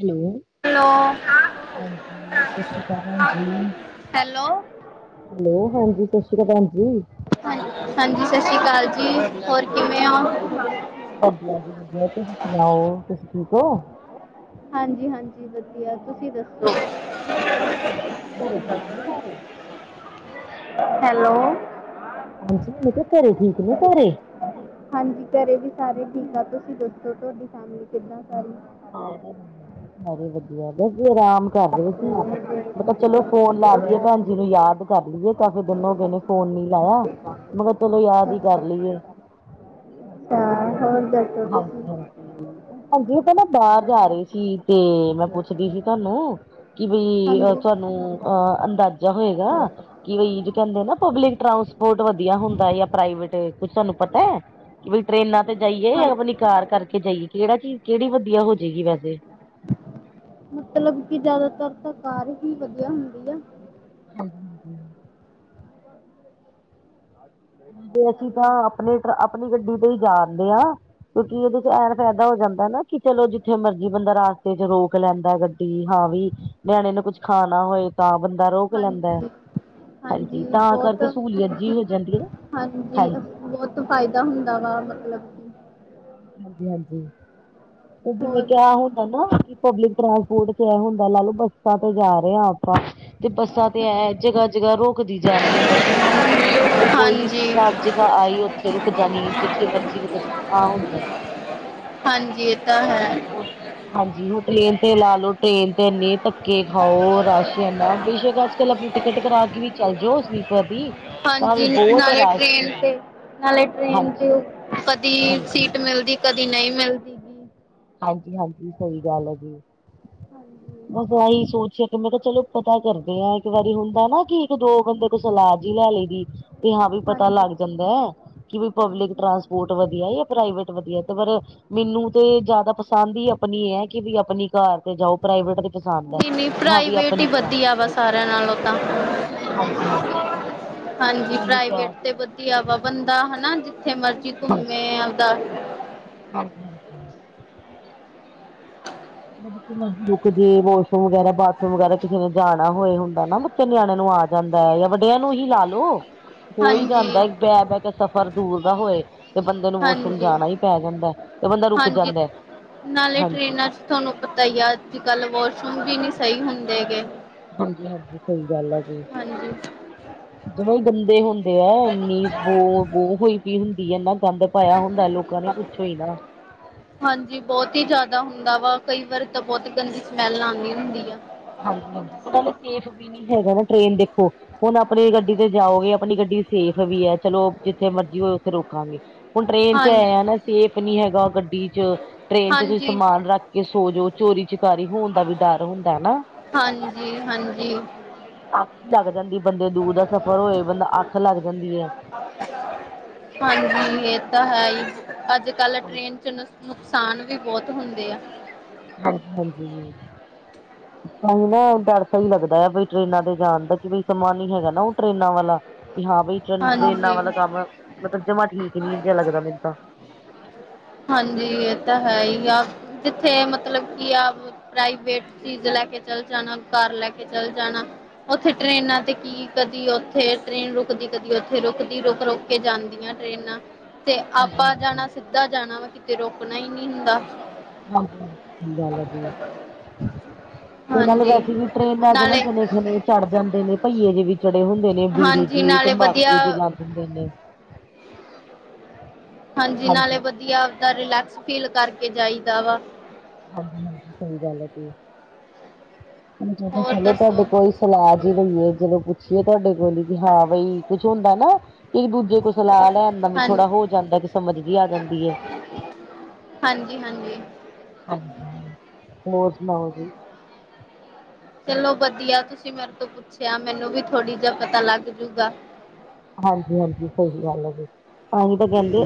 Hello hello ਹਾਂਜੀ ਸਤਿ ਸ੍ਰੀ ਅਕਾਲ ਹਾਂਜੀ। ਹੈਲੋ ਹੈਲੋ ਹਾਂਜੀ ਸਤਿ ਸ਼੍ਰੀ ਅਕਾਲ ਭੈਣ ਜੀ। ਹਾਂ ਹਾਂਜੀ ਸਤਿ ਸ੍ਰੀ ਅਕਾਲ ਜੀ ਹੋਰ ਕਿਵੇਂ ਹੋ? ਹੋਰ ਵਧੀਆ ਜੀ ਵਧੀਆ ਤੁਸੀਂ ਸੁਣਾਓ ਤੁਸੀ ਠੀਕ ਹੋ? ਹਾਂਜੀ ਹਾਂਜੀ ਵਧੀਆ ਤੁਸੀਂ ਦੱਸੋ? ਚ ਕਰ ਪ ਘ। ਹੈਲੋ। ਹਾਂਜੀ ਘਰੇ ਠੀਕ ਨੇ ਹਾਂ। ਸਾਰੇ? ਹਾਂਜੀ ਘਰੇ ਵੀ ਸਾਰੇ ਠੀਕ ਆ ਤੁਸੀਂ ਦੱਸੋ ਤੁਹਾਡੀ ਫੈਮਿਲੀ ਕਿੱਦਾਂ ਸਾਰੀ? ਸਾਰੇ ਵਧੀਆ ਬ ਆਰਾਮ ਘਰ ਹੀ ਸੀ ਮੈਂ ਕਿਹਾ ਚਲੋ ਫੋਨ ਲਾ ਲਈਏ ਭੈਣ ਜਿਹਨੂੰ ਯਾਦ ਕਰ ਲਈਏ ਕਾਫ਼ੀ ਦਿਨ ਹੋ ਗਏ ਨੇ ਫੋਨ ਨੀ ਲਾਇਆ ਮਗਰ ਚਲੋ ਯਾਦ ਹੀ ਕਰ ਲਈਏ। ਹਾਂ ਹੋਰ ਕੀ। ਹਾਂਜੀ ਹਾਂਜੀ। ਹਾਂਜੀ ਉਹ ਬਾਹਰ ਜਾ ਰਹੀ ਸੀ ਤੇ ਮੈਂ ਪੁੱਛਦੀ ਸੀ ਤੁਹਾਨੂੰ ਕਿ ਬਈ ਹਾਂਜੀ ਤੁਹਾਨੂੰ ਅਹ ਅੰਦਾਜ਼ਾ ਹੋਏਗਾ ਕਈ ਕਹਿੰਦੇ ਨਾ ਪਬਲਿਕ ਟਰਾਂਸਪੋਰਟ ਵਧੀਆ ਹੁੰਦਾ ਜਾਂ ਪ੍ਰਾਈਵੇਟ ਕੁਝ ਤੁਹਾਨੂੰ ਪਤਾ ਹੈ। ਕਿ ਬਈ ਟ੍ਰਰੇਨਾਂ ਤੇ ਜਾਈਏ ਜਾਂ ਹਾਂ ਆਪਣੀ ਕਾਰ ਕਰਕੇ ਜਾਈਏ ਕਿਹੜਾ ਚੀਜ਼ ਕਿਹੜੀ ਵਧੀਆ ਹੋ ਜਾਏਗੀ ਵੈਸੇ। ਕਿਉਕਿ ਜਿਆਦਾਤਰ ਤਾਂ ਕਾਰ ਹੀ ਵਧੀਆ ਹੁੰਦੀ ਆ। ਹਾਂਜੀ ਹਾਂਜੀ। ਅਸੀਂ ਤਾਂ ਹੈਲੋ ਆਪਣੇ ਆਪਣੀ ਗੱਡੀ ਤੇ ਹੀ ਜਾਣਦੇ ਹਾਂ। ਕਿਉਂਕਿ ਇਹਦੇ ਚ ਐ ਫਾਇਦਾ ਹੋ ਜਾਂਦਾ ਨਾ ਕਿ ਚਲੋ ਜਿੱਥੇ ਮਰਜ਼ੀ ਬੰਦਾ ਰਸਤੇ ਚ ਰੋਕ ਲੈਂਦਾ ਗੱਡੀ। ਹਾਂ ਵੀ ਨਿਆਣੇ ਨੂੰ ਕੁੱਝ ਹਾਂ ਖਾ ਨਾ ਹੋਏ। ਤਾਂ ਬੰਦਾ ਰੋਕ ਲੈਂਦਾ ਹਾਂਜੀ ਹਾਂਜੀ ਤਾਂ ਬਹੁਤ ਕਰਕੇ ਸਹੂਲੀਅਤ ਮਤਲਬ ਕਿ ਜਿਹੀ ਹੋ ਜਾਂਦੀ ਹੈ ਨਾ। ਹਾਂਜੀ ਬਹੁਤ ਫਾਇਦਾ ਹੁੰਦਾ ਵਾ ਮਤਲਬ ਕਿ ਹਾਂਜੀ ਹਾਂਜੀ ਤੇ ਜਿਵੇਂ ਹੋਰ ਕਿਹਾ ਦੱਸੋ? ਹੁਣ? ਹਨਾ ਕਿ ਪਬਲਿਕ ਟਰਾਂਸਪੋਰਟ ਆ ਹੁੰਦਾ ਲਾ ਲੋ ਬੱਸ ਬੱਸਾਂ ਤੇ ਜਾ ਰਹੇ ਹਾਂ ਆਪਾਂ ਤੇ ਬੱਸਾਂ ਤੇ ਐ ਜਗ੍ਹਾ ਜਗਾ ਰੋਕਦੀ ਜਾਣੀ ਹੈ ਬੱਸਾਂ ਨੇ ਬਈ ਕੋਈ ਹਾਂਜੀ ਜਗ੍ਹਾ ਆਈ ਉੱਥੇ ਰੁਕ ਜਾਣੀ ਜਿੱਥੇ ਮਰਜ਼ੀ ਰੁਕ ਜਾਣੀ ਆਹ ਹੁੰਦਾ ਹੈ ਹਾਂਜੀ ਇਹ ਤਾਂ ਹੈ ਹਾਂਜੀ ਹ ਟ੍ਰੇਨ ਤੇ ਲਾ ਲਓ ਟ੍ਰੇਨ ਤੇ ਇੰਨੇ ਧੱਕੇ ਖਾਓ ਰਸ਼ ਅੱਛ ਨਾ ਬੇਸ਼ੱਕ ਅੱਜ ਕੱਲ੍ਹ ਆਪਣੀ ਟਿਕਟ ਕਰਾ ਕੇ ਵੀ ਚੱਲ ਜਾਓ ਸਲੀਪਰ ਦੀ ਤਾਂ ਵੀ ਹਾਂਜੀ ਬਹੁਤ ਨਾਲੇ ਰਸ਼ ਟ੍ਰੇਨ ਹੈ ਤੇ ਨਾਲੇ ਟ੍ਰੇਨ ਹਾਂਜੀ ਤੇ ਓ, ਕਦੀ ਹਾਂਜੀ। ਸੀਟ ਮਿਲਦੀ, ਕਦੀ ਨਹੀਂ ਮਿਲਦੀ। ਗੀ। ਹਾਂਜੀ-ਹਾਂਜੀ, ਸਹੀ ਗੱਲ ਆ ਜੀ। ਹਾਂਜੀ ਬਸ ਆਹੀ ਸੋਚਿਆ ਕਿ, ਮੈਂ ਕਿਹਾ ਚਲੋ ਪਤਾ ਕਰਦੇ ਆਂ, ਇੱਕ ਵਾਰੀ ਹੁੰਦਾ ਨਾ ਕਿ ਇੱਕ-ਦੋ ਬੰਦੇ ਸਲਾਹ ਜੀ ਲੈ ਲਈ ਦੀ ਤੇ ਹਾਂ ਵੀ ਪਤਾ ਹਾਂਜੀ ਲੱਗ ਜਾਂਦਾ ਹੈ ਕਿ ਬ ਹਾਂਜੀ ਪਬਲਿਕ ਟਰਾਂਸਪੋਰਟ ਵਧੀਆ ਜਾਂ ਪ੍ਰਾਈਵੇਟ ਵਧੀਆ ਤੇ ਪਰ ਮੈਨੂੰ ਤਿਆਦਾ ਤਾਂ ਪਸੰਦ ਹੀ ਆਪਣੀ ਹੈ ਕਿ ਵੀ ਆਪਣੀ ਕਾਰ ਤੇ ਜਾਓ ਪ੍ਰਾਈਵੇਟ ਦੇ ਨਹੀਂ ਨਹੀਂ ਪ੍ਰਾਈਵੇਟ ਹੀ ਵਧੀਆ ਵਾ ਚੱਲ ਜਾਓ ਸਾਰਿਆਂ ਨਾਲ ਤਾਂ ਹਾਂਜੀ-ਹਾਂਜੀ ਹਾਂਜੀ ਮੈਂ ਇਹੀ ਕਿਹਾ ਪ੍ਰਾਈਵੇਟ ਤੇ ਸੀ ਵਧੀਆ ਵਾ ਬੰਦਾ ਹਨਾ ਜਿੱਥੇ ਮਰਜੀ ਘੁੰਮੇਦਾ ਹਜੀ ਹ। ਜੇ ਵਾਸ਼ਰੂਮ ਵਗੈਰਾ ਬਾਥਰੂਮ ਵਗੈਰਾ ਕਿਸੇ ਨੇ ਜਾਣਾ ਹੋਏ ਹੁੰਦਾ ਨਾ ਬੱਚੇ ਨਿਆਣਿਆਂ ਨੂੰ ਆ ਜਾਂਦਾ ਜਾਂ ਵੱਡਿਆਂ ਨੂੰ ਹੀ ਲਾ ਲ ਲੋ ਕੋਈ ਹਾਂਜੀ ਜਾਂਦਾ ਬਹਿ ਬਹਿ ਕੇ ਸਫ਼ਰ ਦੂਰ ਦਾ ਹੋਏ। ਤੇ ਬੰਦੇ ਨੂੰ ਵਾਸ਼ਰੂਮ ਹਾਂਜੀ ਜਾਣਾ ਹੀ ਪੈ ਜਾਂਦਾ, ਤੇ ਬੰਦਾ ਰੁਕ ਹਾਂਜੀ ਜਾਂਦੈ। ਨਾਲੇ ਟ੍ਰੇਨਾਂ'ਚ ਤੁਹਾਨੂੰ ਪਤਾ ਹੀ ਆ, ਅੱਜ-ਕੱਲ ਵਾਸ਼ਰੂਮ ਵੀ ਨੀ ਸਹੀ ਹੁੰਦੇਗੇ। ਹਾਂਜੀ-ਹਾਂਜੀ ਸਹੀ ਗੱਲ ਆ ਜੀ, ਹਾਂਜੀ ਜਦੋ ਹੀ ਬੰਦੇ ਹੁਣ ਇੰਨੀ ਬੋਹ, ਬੋਹ ਹੋਈ ਪਈ ਹੁੰਦੀ ਆ, ਇਨਾ ਗੰਦ ਪਾਇਆ ਹੁੰਦਾ ਲੋਕਾਂ ਨੇ ਪੁੱਛੋ ਹੀ ਨਾ। ਹਾਂਜੀ, ਬਹੁਤ ਹੀ ਜ਼ਿਆਦਾ ਹੁੰਦਾ ਵਾ, ਕਈ ਵਾਰ ਤਾਂ ਬਹੁਤ ਗੰਦੀ ਸਮੈਲ ਆਉਂਦੀ ਹੁੰਦੀ ਆ। ਹਾਂਜੀ-ਹਾਂਜੀ, ਉਹਨਾਂ ਸੇਫ ਵੀ ਨੀ ਹੈਗਾ ਨਾ ਟ੍ਰੇਨ ਦੇਖੋ ਹੁਣ ਆਪਣੀ ਗੱਡੀ ਤੇ ਜਾਓਗੇ, ਆਪਣੀ ਗੱਡੀ ਸੇਫ ਵੀ ਹੈ, ਚਲੋ ਜਿੱਥੇ ਮਰਜ਼ੀ ਹੋਏ, ਉੱਥੇ ਰੋਕਾਂਗੇ। ਹੁਣ ਟ੍ਰੇਨ'ਚ ਐ ਹਾਂਜੀ, ਯਾ ਨਾ, ਸੇਫ ਨੀ ਹੈਗਾ ਗੱਡੀ 'ਚ। ਟ੍ਰੇਨ 'ਚ ਤੁਸੀਂ ਹਾਂਜੀ, ਸਮਾਨ ਰੱਖਕੇ ਸੋਜੋ, ਚੋਰੀ-ਚਕਾਰੀ ਹੋਣ ਦਾ ਵੀ ਡਰ ਹੁੰਦਾ ਨਾ। ਹਾਂਜੀ-ਹਾਂਜੀ। ਅੱਖ ਲੱਗ ਜਾਂਦੀ ਬੰਦੇ ਦੂਰ ਦਾ ਸਫ਼ਰ ਹੋਏ, ਬੰਦਾ ਅੱਖ ਲੱਗ ਜਾਂਦੀ ਹੈ। ਹਾਂਜੀ ਇਹ ਤਾਂ ਹੈ ਹੀ, ਅੱਜ-ਕੱਲ ਟ੍ਰੇਨ ਨੁਕਸਾਨ ਵੀ ਬਹੁਤ ਹੁੰਦੇ ਆ। ਹਾਂ, ਹਾਂਜੀ। ਤਾਂ ਹੀ ਨਾ, ਡਰ ਤਾਹੀ ਲੱਗਦਾ ਆ ਬਈ ਟਰੇਨਾਂ ਤੇ ਜਾਣ ਦਾ, ਕਿ ਬਈ ਸਮਾ ਨੀ ਹੈਗਾ, ਨਾ ਉਹ ਟ੍ਰੇਨਾਂ ਵਾਲਾ। ਕਿ ਹਾਂ ਬਈ, ਚਲ ਟ੍ਰੇਨਾਂ ਹਾਂਜੀ। ਵਾਲਾ ਕੰਮ, ਮਤਲਬ ਜਮਾ ਠੀਕ ਹੀ ਨਹੀਂ ਜਾ ਲੱਗਦਾ ਮੇਨ ਤਾਂ। ਹਾਂਜੀ, ਇਹ ਤਾਂ ਹੈ ਹੀ ਆ, ਜਿੱਥੇ ਮਤਲਬ ਕੀ ਆ ਪ੍ਰਾਈਵੇਟ ਚੀਜ਼ ਲੈਕੇ ਚਲ ਜਾਣਾ, ਕਾਰ ਲੈਕੇ ਚਲ ਜਾਣਾ, ਉੱਥੇ ਟ੍ਰੇਨਾਂ ਤੇ ਕੀ ਕਦੀ ਉੱਥੇ ਟ੍ਰੇਨ ਰੁਕਦੀ, ਕਦੀ ਉੱਥੇ ਰੁਕਦੀ, ਰੁਕ-ਰੁਕ ਕੇ ਜਾਂਦੀਆਂ ਟ੍ਰੇਨਾਂ। ਤੇ ਹਾਂਜੀ ਆਪਾਂ ਹਾਂਜੀ ਜਾਣਾ, ਸਿੱਧਾ ਜਾਣਾ ਵਾ, ਕਿਤੇ ਰੋਕਣਾ ਹੀ ਨਹੀਂ ਹੁੰਦਾ। ਹਾਂ ਕਿ, ਗੱਲ ਆ, ਜੇ ਤੇ ਨਾਲ ਹਾਂਜੀ ਵੈਸੇ ਵੀ ਟ੍ਰਰੇਨਾਂ'ਚ ਨਾ ਨਾਲੇ ਜਨੇ-ਖਨੇ ਚੜ੍ਹ ਜਾਂਦੇ ਨੇ, ਭਈਏ ਜੇ ਵੀ ਚੜੇ ਹੁੰਦੇ ਨੇ। ਬੀੜੀ ਹਾਂਜੀ ਜਿਹੀ, ਨਾਲੇ ਵਧੀਆ ਤੰਬਾਕੂ ਜੇ ਲਾ ਦਿੰਦੇ ਨੇ। ਹਾਂਜੀ, ਨਾਲੇ ਵਧੀਆ ਆਪਦਾ ਰਿਲੈਕਸ ਫੀਲ ਕਰਕੇ ਜਾਈਦਾ ਵਾ। ਹਾਂਜੀ-ਹਾਂਜੀ ਸਹੀ ਗੱਲ ਆ ਜੇ। ਮ ਚਲੋ, ਹੋਰ ਚਲੋ ਤੁਹਾਡੇ ਦੱਸੋ ਕੋਈ ਸਲਾਹ ਜੀ ਲਈਏ ਜਦੋਂ ਕੁ ਤੁਹਾਡੇ ਕੋਲ ਹੀ ਵੀ, ਹਾਂ ਬਈ, ਕੁੱਛ ਹੁੰਦਾ ਨਾ ਇੱਕ-ਦੂਜੇ ਕੋਲ ਸਲਾਹ ਲੈਣ ਦਾ ਵੀ ਹਾਂ ਥੋੜਾ ਹੋ ਜਾਂਦਾ, ਕਿ ਸਮਝ ਜੀ ਆ ਜਾਂਦੀ ਹੈ। ਹਾਂਜੀ-ਹਾਂਜੀ। ਹਾਂਜੀ, ਹੋਰ ਸੁਣਾਓ ਜੀ? ਚਲੋ ਵਧੀਆ‌। ਤੁਸੀਂ ਮੇਰੇ ਤੋਂ ਪੁੱਛਿਆ, ਮੈਨੂੰ ਵੀ ਥੋੜੀ ਜਾ ਪਤਾ ਲੱਗ ਜੂਗਾ। ਹਾਂਜੀ, ਹਾਂਜੀ, ਸਹੀ ਗੱਲ ਆ ਜੀ। ਤਾਂਹੀ ਤਾਂ ਕਹਿੰਦੇ,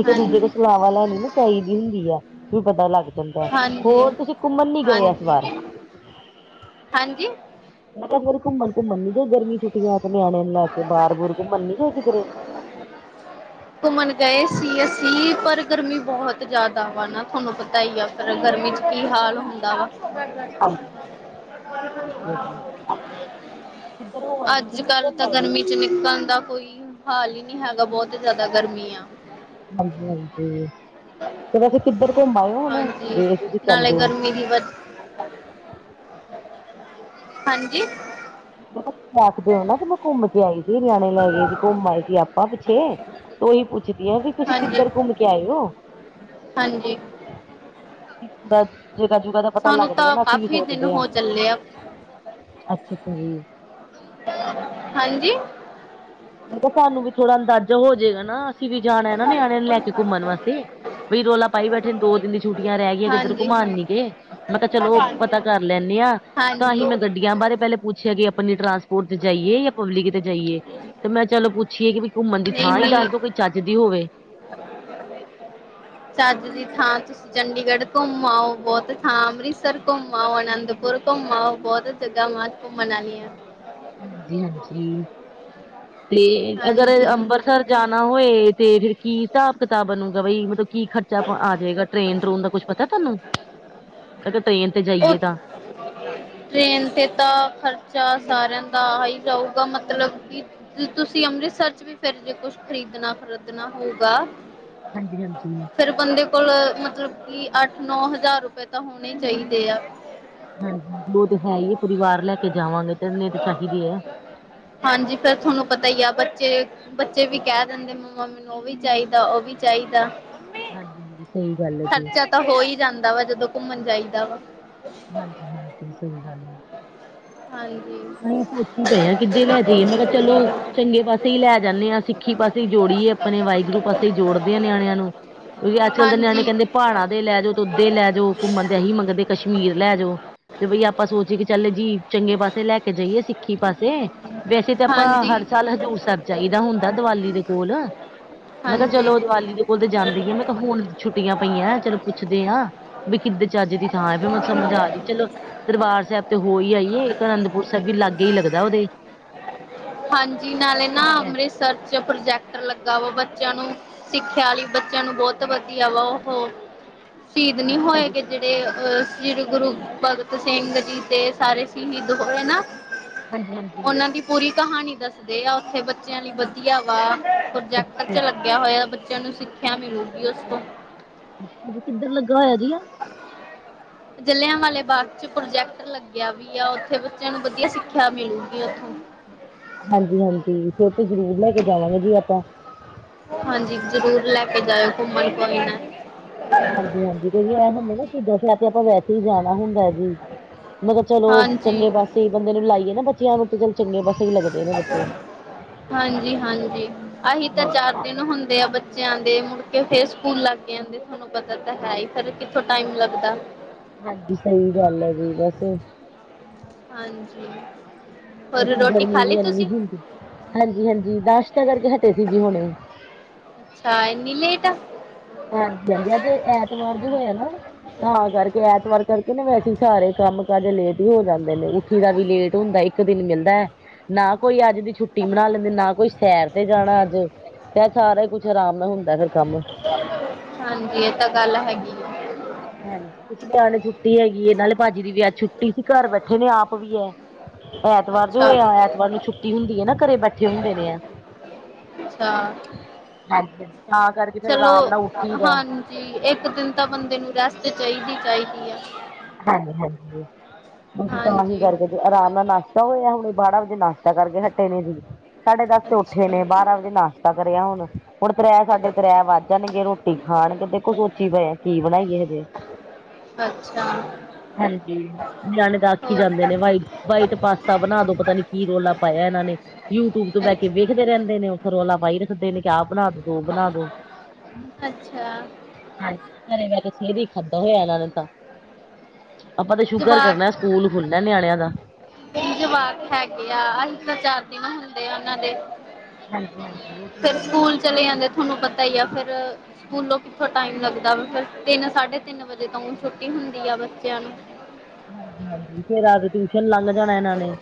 ਇੱਕ-ਦੂਜੇ ਕੋਲ ਹਾਂਜੀ, ਸਲਾਵਾਂ ਲੈਣੀ ਨਾ, ਚਾਹੀਦੀ ਹੁੰਦੀ ਆ। ਵੀ ਪਤਾ ਲੱਗ ਜਾਂਦਾ। ਹਾਂਜੀ, ਹੋਰ, ਤੁਸੀ ਘੁੰਮਣ ਨੀ ਗਏ, ਇਸ ਵਾਰ? ਹਾਂਜੀ, ਹਾਂਜੀ! ਮੈਂ ਕਿਹਾ, ਫਿਰ ਘੁੰਮਣ-ਘੁੰਮਣ ਨੀ ਗਏ, ਗਰਮੀ ਛੁੱਟੀਆਂ ਹੈ, ਤੇ ਨਿਆਣਿਆਂ ਨੂੰ ਲੈਕੇ, ਬਾਹਰ-ਬੁਰ ਘੁੰਮਣ ਨੀ ਗਏ ਕਿਧਰੇ? [unintelligible] ਘੁੰਮਣ ਗਏ ਸੀ ਅਸੀਂ ਪਰ ਗਰਮੀ ਬਹੁਤ ਜ਼ਿਆਦਾ ਵਾ ਨਾ ਤੁਹਾਨੂੰ ਪਤਾ ਹੀ ਆ। ਪਰ ਗਰਮੀ ਚ ਕੀ ਹਾਲ ਹੁੰਦਾ ਵਾ ਹਾਂਜੀ ਹਾਂਜੀ ਜੀ। ਕਿੱਧਰ ਹੋ ਆਏ ਫਿਰ ਅੱਜ ਕਿੱਧਰ ਕੱਲ ਘੁੰਮ ਤਾਂ ਆਏ ਹੋ ਗਰਮੀ ਵਿੱਚ ਨਿਕਲਣ ਦਾ ਕੋਈ ਹਾਲ ਹੀ ਨਹੀਂੀ ਹੈਗਾ ਬਹੁਤ ਜ਼ਿਆਦਾ ਗਰਮੀ ਆ। ਹਾਂਜੀ-ਹਾਂਜੀ ਤੇ ਵੈਸੇ ਕਿੱਧਰ ਘੁੰਮ ਆਏ ਓ, ਹੁਣ? ਗਏ ਤੁਸੀਂ ਕਹਿੰਦੇ ਹੋ। ਮੇਰੀ ਵਤ ਹਾਂਜੀ! ਬਹੁਤ ਰਖਦੇ ਹੋ ਨਾ, ਕਿ ਮੈਂ ਘੁੰਮਕੇ ਆਈ ਸੀ। ਨਿਆਣੇ ਲੈ ਗਏ ਸੀ, ਘੁੰਮ ਆਏ ਸੀ ਆਪਾਂ ਪਿੱਛੇ, ਤੇ ਉਹੀ ਪੁੱਛਦੀ ਆਂ ਵੀ ਤੁਸੀਂ ਹਾਂਜੀ, ਕਿੱਧਰ ਘੁੰਮ? ਕੇ ਆਇਓ ਹਾਂਜੀ। ਬਸ, ਜਗ੍ਹਾ-ਜੁਗਾ ਦਾ ਪਤਾ ਸਾਨੂੰ ਲੱਗ ਜਾਏ ਤਾਂ ਨਾ, ਅਸੀਂ ਵੀ ਕਾਫੀ ਦਿਨ ਸੋਚਦੇ ਆਂ। ਹੋ ਚੱਲੇ ਆ ਅੱਛਾ-ਅੱਛਾ ਜੀ। ਹਾਂਜੀ! ਮਤਲਬ ਸਾਨੂੰ ਵੀ ਥੋੜਾ ਅੰਦਾਜ਼ਾ ਹੋ ਜੇਗਾ ਨਾ, ਅਸੀਂ ਵੀ ਜਾਣਾ ਨਾ ਨਿਆਣੇ ਨੂੰ ਲੈਕੇ ਘੁੰਮਣ ਵਾਸਤੇ। ਬਈ ਰੌਲਾ ਪਾਈ ਬੈਠੇ ਨੇ ਦੋ ਦਿਨ ਦੀ ਛੁੱਟੀਆਂ ਰਹਿ ਗਈਆਂ ਕਿੱਧਰ ਹਾਂਜੀ। ਘੁਮਾਉਣ ਨੀ ਗੇ ਮੈਂ ਕਿਹਾ ਚਲੋ ਹਾਂ ਪਤਾ ਕਰ ਲੈਂਨੇ ਆਾਂ। ਹਾਂਜੀ ਬਾਰੇ ਪਹਿਲੇ ਪੁੱਛਿਆ ਕਿ ਆਪਣੀ ਟਰਾਂਸਪੋਰਟ ਤੇ ਜਾਈਏ ਜਾਂ ਪਬਲਿਕ ਤੇ ਜਾਈਏ ਤੇ ਮੈਂ ਚਲੋ ਪੁੱਛ ਅੱਛੀ ਹੈ ਕਿ ਵੀ ਘੁੰਮਣ ਦੀ ਨਹੀਂ ਥਾਂ ਹੀ ਨਹੀਂ ਦੱਸ ਦੋ ਕੋਈ ਚੱਜ ਦੀ ਹੋਵੇ [unintelligible] ਚੱਜ ਦੀ ਥਾਂ ਚ ਚੰਡੀਗੜ੍ਹ ਘੁੰਮ ਆਓ ਬਹੁਤ ਥਾਂ ਅੰਮ੍ਰਿਤਸਰ ਘੁੰਮ ਆਓ ਅਨੰਦਪੁਰ ਘੁੰਮ ਬਹੁਤ [unintelligible] ਮਨਾਉਦੀ ਹਾਂ ਹਾਂਜੀ ਹਾਂਜੀ ਤੇ ਅਗਰ ਹਾਂਜੀ ਅੰਬਰਿਸਰ ਜਾਣਾ ਹੋਏ ਤੇ ਫਿਰ ਕੀ ਹਿਸਾਬ ਕਿਤਾਬ ਬਣੂਗਾ ਬਈ ਮਤਲਬ ਕੀ ਖਰਚਾ ਆ ਜਾਵੇਗਾ ਟ੍ਰੇਨ ਟਰੂਨ ਦਾ ਕੁੱਛ ਪਤਾ ਤੁਹਾਨੂੰ ਕ ਟ੍ਰੇਨ ਤੇ ਉਹ ਜਾਈਏ ਤਾਂ ਟ੍ਰੇਨ ਤੇ ਤਾਂ ਖਰਚਾ ਸਾਰਿਆਂ ਦਾ ਆ ਹੀ ਜਾਊਗਾ ਮਤਲਬ ਕਿ ਤੁਸੀਂ ਅੰਮ੍ਰਿਤਸਰ ਚ ਵੀ ਫੇਰ ਜੇ ਕੁਛ ਖਰੀਦਣਾ ਖਰੀਦਣਾ ਹੋਊਗਾ ਹਾਂਜੀ ਹਾਂਜੀ ਫੇਰ ਬੰਦੇ ਕੋਲ ਮਤਲਬ ਕਿ ਅੱਠ ਨੌ ਹਜ਼ਾਰ ਰੁਪਏ ਤਾਂ ਹੋਣੇ ਈ ਚਾਹੀਦੇ ਆ ਹਾਂਜੀ ਉਹ ਤੇ ਹੈ ਈ ਐ ਪਰਿਵਾਰ ਲੈ ਕੇ ਜਾਵਾਂਗੇ ਤੇ ਇਹਨੇ ਤਾਂ ਚਾਹੀਦੇ ਐ ਹਾਂਜੀ ਫੇਰ ਤੁਹਾਨੂੰ ਪਤਾ ਈ ਆ ਬੱਚੇ ਬੱਚੇ ਵੀ ਕਹਿ ਦਿੰਦੇ ਮੰਮਾ ਮੈਨ ਨੂੰ ਉਹ ਵੀ ਚਾਹੀਦਾ ਉਹ ਵੀ ਚਾਹੀਦਾ ਹਾਂਜੀ ਹਾਂਜੀ ਸਹੀ ਗੱਲ ਏ ਜੀ ਖਰਚਾ ਤਾਂ ਹੋਈ ਜਾਂਦਾ ਵਾ ਜਦੋਂ ਘੁੰਮਣ ਜਾਈਦਾ ਵਾ ਹਾਂਜੀ ਹਾਂਜੀ ਸਹੀ ਗੱਲ ਆ ਹਾਂਜੀ ਮ ਸੋਚੀ ਪਏ ਆ ਕਿੱਧੇ ਲੈ ਜਾਈਏ ਮੈਂ ਕਿਹਾ ਚਲੋ ਚੰਗੇ ਪਾਸੇ ਈ ਲੈ ਜਾਂਦੇ ਆਾਂ ਸਿੱਖੀ ਪਾਸੇ ਹੀ ਜੋੜੀਏ ਆਪਣੇਾਹਿਗੁਰੂ ਪਾਸੇ ਹੀ ਜੋੜਦੇ ਆ ਨਿਆਣਿਆਂ ਨੂੰ ਕਿਉਂਕਿ ਅੱਜ ਕੱਲ ਦੇ ਨਿਆਣੇ ਹਾਂਜੀ ਕਹਿੰਦੇ ਪਹਾੜਾਂ ਦੇ ਲੈ ਜਾਓ ਤ [unintelligible] ਲੈ ਜਾਓ ਘੁੰਮਣ ਦੇ ਅਸੀਂ ਮੰਗਣਦੇ ਕਸ਼ਮੀਰ ਲੈ ਜਾਓ। ਤੇ ਬਈ ਆਪਾਂ ਸੋਚੀਏ ਕਿ ਚੱਲ ਜੀ ਚੰਗੇ ਪਾਸੇ ਲੈ ਕੇ ਜਾਈਏ ਸਿੱਖੀ ਪਾਸੇ ਵੈਸੇ ਤਾਂ ਆਪਾਂ ਹਾਂਜੀ ਹਰ ਸਾਲ ਹਜ਼ੂਰ ਸਾਹਿਬ ਜਾਈਦਾ ਹੁੰਦਾ ਦੀਵਾਲੀ ਦੇ ਕੋਲ ਮੈਂ ਕਿਹਾ ਹਾਂਜੀ ਚਲੋ ਦੀਵਾਲੀ ਦੇ ਕੋਲ ਤਾਂ ਜਾਂਦੀ ਆ ਮੈਂ ਕਿਹਾ ਹੁਣ ਛੁੱਟੀਆਂ ਪਈਆਂ ਚਲੋ ਪੁੱਛਦੇ ਆ ਵੀ ਕਿੱਧ ਚ ਚਜ ਦੀ ਥਾਂ ਫਿਰ ਮੈਨੂੰ ਸਮਝ ਆ ਰਹੀ ਚਲੋ ਦਰਬਾਰ ਸਾਹਿਬ ਤੇ ਹੋ ਹੀਈ ਆਈਏ ਇੱਕ ਅਨੰਦਪੁਰ ਛ ਵੀ ਲਾਗੇ ਹੀ ਲੱਗਦਾ ਉਹਦੇ ਸਰਚ ਪ੍ਰੋਜੈਕਟ ਲੱਗਾ ਵਾ ਬੱਚਿਆਂ ਨੂੰ। ਸਿੱਖਿਆ ਲਈ ਬੱਚਿਆਂ ਨੂੰ ਬਹੁਤ ਵਧੀਆ ਵਾ ਉਹ। ਸ਼ਹੀਦ ਨਹੀਂ ਅੱਛਾ ਜੀ ਹੋਏਗੇ ਅੱਛਾ, ਜਿਹੜੇ ਅ ਸ੍ਰੀ ਗੁਰੂ ਭਗਤ ਸਿੰਘ ਜੀ ਤੇ ਸਾਰੇ। ਸ਼ਹੀਦ ਹੋਏ ਨਾ ਹਾਂਜੀ ਹਾਂਜੀ ਉਹਨਾਂ ਦੀ। ਪੂਰੀ ਕਹਾਣੀ ਦੱਸਦੇ ਆ ਉੱਥੇ ਬੱਚਿਆਂ ਲਈ ਵਧੀਆ ਵਾ ਪ੍ਰੋਜੈਕਟ ਅੱਛਾ 'ਚ ਜੀ ਲੱਗਿਆ ਹੋਇਆ। ਬੱਚਿਆਂ ਨੂੰ ਸਿੱਖਿਆ ਮਿਲੂਗੀ ਉਸ ਤੋਂ। ਅੱਛਾ ਜੀ ਕਿੱਧਰ ਲੱਗਾ ਹੋਇਆ ਜੀ ਆ। ਜਲਿਆਂਵਾਲੇ ਬਾਗ 'ਚ ਪ੍ਰੋਜੈਕਟ ਲੱਗਿਆ ਵੀ ਆ ਉੱਥੇ ਬੱਚਿਆਂ ਨੂੰ ਵਧੀਆ ਸਿੱਖਿਆ ਮਿਲੂਗੀ ਉੱਥੋਂ। ਹਾਂਜੀ ਹਾਂਜੀ ਫਿਰ ਤੇ ਜ਼ਰੂਰ ਲੈ ਕੇ ਜਾਵਾਂਗੇ ਜੀ ਆਪਾਂ। ਹਾਂਜੀ ਜ਼ਰੂਰ ਲੈ ਕੇ ਜਾਇਓ ਘੁੰਮਣ ਕੋਈ ਨਾ। ਹਾਂਜੀ ਹਾਂਜੀ ਕਿਉਂਕਿ ਐ ਹੁੰਦਾ ਨਾ ਸ਼ਹੀਦਾਂ ਸਾਹਿਬ ਤਾਂ ਆਪਾਂ ਵੈਸੇ ਹੀ ਜਾਣਾ ਹੁੰਦਾ। ਹੂੰ ਮਤਲਬ ਚਲੋ ਹਾਂਜੀ ਚੰਗੇ ਪਾਸੇ ਬੰਦੇ ਨੂੰ ਲਾਈਏ ਨਾ ਬੱਚਿਆਂ ਨੂੰ। ਫਿਰ ਚੰਗੇ ਪਾਸੇ ਹੀ ਲੱਗਦੇ ਨੇ ਬੱਚੇ। ਹਾਂਜੀ ਹਾਂਜੀ ਅਸੀ ਤਾਂ ਹਾਂਜੀ ਚਾਰ ਦਿਨ ਹੁੰਦੇ ਆ ਬੇ ਜਾਂਦੇ ਮੁੜਕੇ ਫਿਰ ਸਕੂਲ ਲੱਗ ਜਾਂਦੇ ਤੁਹਾਨੂੰ ਪਤਾ ਤਾਂ ਹੈ ਹਾਂਜੀ ਫਿਰ ਕਿੱਥੋਂ ਟਾਈਮ ਲੱਗਦਾ ਹਾਂਜੀ ਸਹੀ ਗੱਲ ਹੈ ਜੀ ਬਸ ਹਾਂਜੀ ਹੋਰ ਰੋਟੀ ਗਰਮੀ ਖਾ ਵੀ ਲਈ ਇੰਨੀ ਤੁਸੀਂ ਹੁੰਦੀ ਹਾਂਜੀ ਹਾਂਜੀ ਨਾਸ਼ਤਾਂ ਕਰਕੇ ਹਟੇ ਸੀ ਵੀ ਹੁਣੇ ਹਾਂ ਇਨੀ ਲੇਟ। ਹਾਂਜੀ ਹਾਂਜੀ ਹਜੇ ਐਤਵਾਰ ਜੇ ਹੋਇਆ ਨਾ। ਤਾਂ ਕਰਕੇ ਐਤਵਾਰ ਕਰਕੇ ਨਾ ਵੈਸੇ ਸਾਰੇ ਕੰਮ ਕਾਜ ਲੇਟ ਹੀ ਹੋ ਜਾਂਦੇ ਨੇ ਉੱਠੀ ਦਾ ਵੀ ਲੇਟ ਹੁੰਦਾ ਹੈ। ਇੱਕ ਦਿਨ ਮਿਲਦਾ ਹੈ। ਨਾ ਕੋਈ ਅੱਜ ਦੀ ਛੁੱਟੀ। ਰੋਟੀ ਬਣਾ ਲੈਂਦੇ ਨਾ ਕੋਈ ਸੈਰ ਤੇ ਜਾਣਾ ਅੱਜ ਤੇ ਸਾਰਾ ਹੀ ਕੁਛ ਆਰਾਮ ਨਾਲ ਹੁੰਦਾ ਫਿਰ ਕੰਮ। ਹਾਂਜੀ ਇਹ ਤਾਂ ਗੱਲ ਹੈਗੀ। ਆ ਹਾਂਜੀ ਕੁਛ ਨਿਆਣੇ ਛੁੱਟੀ ਹੈਗੀ ਇਹ ਨਾਲੇ ਭਾਜੀ ਦੀ ਵੀ ਆ ਛੁੱਟੀ ਸੀ। ਘਰ ਬੈਠੇ ਨੇ ਆਪ ਵੀ ਹੈ। ਐਤਵਾਰ ਜੋ ਅੱਛਾ ਆਏ ਐਤਵਾਰ ਨੂੰ ਛੁੱਟੀ ਹੁੰਦੀ ਹੈ ਨਾ ਘਰੇ ਬੈਠੇ ਹੁੰਦੇ ਨੇ ਆ। ਅੱਛਾ। ਹਾਂਜੀ ਹਾਂਜੀ ਤਾਂ ਕਰਕੇ। ਫੇਰ ਚਲੋ ਆਰਾਮ ਨਾਲ ਉੱਠੀ ਦਾ। ਹਾਂਜੀ ਇੱਕ ਦਿਨ ਤਾਂ ਬੰਦੇ ਨੂੰ ਰੈਸਟ ਚਾਹੀਦੀ ਚਾਹੀਦੀ ਹੈ। ਹਾਂਜੀ ਹਾਂਜੀ ਅਸੀਂ ਤਾਹੀ ਹਾਂਜੀ ਕਰਕੇ। ਫੇਰ ਆਰਾਮ ਨਾਲ ਨਾਸ਼ਤਾ ਹੋਇਆ। ਹੁਣੇ ਬਾਰਾਂ ਵਜੇ ਨਾਸ਼ਤਾ ਕਰਕੇ ਹਟੇ ਨੇ ਹਜੇ। ਸਾਢੇ ਦਸ ਤੇ ਉੱਠੇ ਅੱਛਾ ਨੇ ਬਾਰਾਂ ਵਜੇ ਨਾਸ਼ਤਾ ਕਰਿਆ ਹੁਣ ਹੁਣ ਫੇਰ ਸਾਢੇ ਤ੍ਰੈ ਵੱਜ ਜਾਣਗੇ ਰੋਟੀ। ਰੋਟੀ ਖਾਣਗੇ ਦੇਖੋ ਸੋਚੀ ਪਏਆ ਕੀ ਬਣਾਈਏ ਹਜੇ। ਅੱਛਾ। ਹਾਂਜੀ ਨਿਆਣੇ ਤਾਂ ਆਖੀ ਹੋਰ ਜਾਂਦੇ ਨੇ ਵਾਈਟ ਵਾਈਟ ਪਾਸਤਾ। ਬਣਾ ਦੋ ਪਤਾ ਨੀ ਕੀ ਰੌਲਾ ਪਾਇਆ ਇਹਨਾਂ ਨੇ। ਯੂਟਿਊਬ ਤੋਂ ਬਹਿ ਅੱਛ ਕੇ ਵੇਖਦੇ ਰਹਿੰਦੇ ਨੇ ਉੱਥੇ ਰੌਲਾ ਪਾਈ ਰੱਖਦੇ ਨੇ ਕਿ ਆਹ ਬਣਾ ਦੋ। ਉਹ ਬਣਾ ਦੋ। ਅੱਛਾ ਹਾਂਜੀ ਘਰੇ ਮੈਂ ਤੇ ਸਿਰ ਹੀ ਖਾਧਾ ਹੋਇਆ ਇਹਨਾਂ ਨੇ ਤਾਂ। ਆਪਾਂ ਤਾ ਸ਼ੁਕਰ ਕਰਨਾ ਜਵਾਕ ਹੈ। ਸਕੂਲ ਖੁੱਲਣਾ ਨਿਆਣਿਆਂ ਦਾ। ਜਵਾਕ ਹੈਗੇ ਆ ਆਹੀ ਤਾਂ ਚਾਰ ਦਿਨ ਹੁੰਦੇ ਆ ਉਹਨਾਂ ਦੇ। ਹਾਂ ਫੇਰ ਹਾਂਜੀ ਸਕੂਲ ਚਲੇ ਜਾਂਦੇ ਤੁਹਾਨੂੰ ਪਤਾ ਹੀ ਆ ਫੇਰ। ਸਕੂਲੋਂ ਕਿੱਥੋਂ ਟਾਈਮ ਲੱਗਦਾ ਵਾ ਫਿਰ ਤਿੰਨ ਸਾਢੇ ਤਿੰਨ ਵਜੇ ਤਾਂ ਛੁੱਟੀ ਹੁੰਦੀ ਆ ਬੱਚਿਆਂ ਨੂੰ। ਹਾਂਜੀ ਹਾਂਜੀ ਫੇਰ ਆਦਤ। ਟਿਊਸ਼ਨ ਲੱਗ ਜਾਣਾ। ਇਹਨਾਂ ਨੇ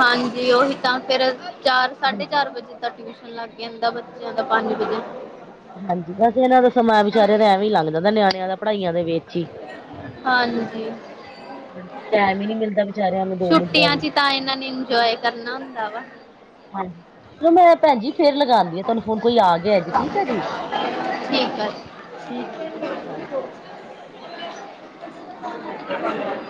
ਹਾਂਜੀ ਉਹੀ ਤਾਂ ਫੇਰ ਚਾਰ ਸਾਢੇ ਹਾਂਜੀ ਚਾਰ ਵਜੇ। ਤਾਂ ਟਿਊਸ਼ਨ ਲੱਗ ਜਾਂਦਾ ਹੈ। ਬੱਚਿਆਂ ਦਾ ਪੰਜ ਵਜੇ। ਹਾਂਜੀ ਬਸ ਇਹਨਾਂ ਦਾ ਸਮਾਂ ਵਿਚਾਰਾਂ ਦਾ ਐਵੇ ਹੀ ਲੰਘ ਜਾਂਦਾ ਨਿਆਣਿਆਂ ਦਾ ਪੜ੍ਹਾਈਆਂ ਦੇ ਵਿੱਚ ਹੀ। ਹਾਂਜੀ। ਹਾਂਜੀ ਟਾਈਮ ਹੀ ਨੀ ਮਿਲਦਾ ਵਿਚਾਰਿਆਂ ਨੂੰ ਦੋ ਮਿੰਟ ਦਾ ਛੁੱਟੀਆਂ ਵੀ 'ਚ ਤਾਂ ਇਹਨਾਂ ਨੇ ਇੰਜੋਏ ਕਰਨਾ ਹੁੰਦਾ ਵਾ। ਹਾਂਜੀ ਚਲੋ ਮੈਂ ਭੈਣਜੀ ਫਿਰ ਲਗਾਉਦੀ ਹਾਂ ਤੁਹਾਨੂੰ ਫੋਨ ਕੋਈ ਆ ਗਿਆ ਜੀ ਠੀਕ ਹੈ ਜੀ ਠੀਕ ਆ ਜੀ ਠੀਕ ਹੈ ਜੀ ਸਤਿ ਸ਼੍ਰੀ ਅਕਾਲ ਜੀ [unintelligible]